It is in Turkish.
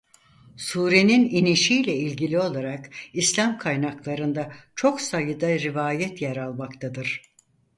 Surenin inişiyle ilgili olarak İslam kaynaklarında çok sayıda rivayet yer almaktadır.